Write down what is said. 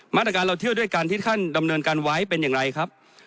มาตรการเราเที่ยวด้วยกันที่ท่านดำเนินการไว้เป็นอย่างไรครับ